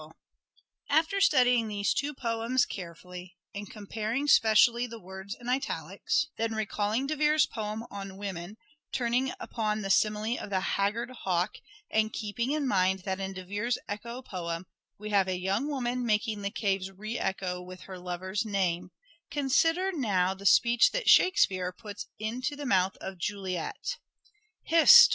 Romeo and After studying these two poems carefully and com iet' paring specially the words in italics, then recalling De Vere's poem on " Women " turning upon the simile of the haggard hawk and keeping in mind that in De Vere's Echo poem we have a young woman making the caves re echo with her lover's name, consider now the speech that " Shakespeare " puts into the mouth of Juliet :—" Hist